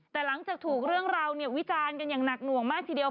แต่หลังจากถูกเรื่องราววิจารณ์กันอย่างหนักหน่วงมากทีเดียว